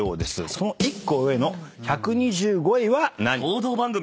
その１個上の１２５位は何？